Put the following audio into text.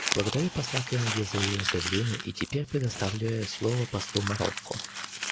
Благодарю посла Кеннеди за ее заявление и теперь предоставляю слово послу Марокко.